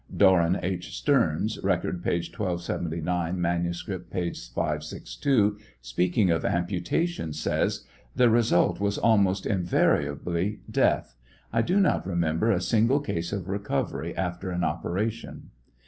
Doran H. Stearns, (Record, p. 1279 ; manuscript, p. 562,) speaking of ampu tation, says : The result was almost invariably death ; I do not remember a single case of recovery after an operation.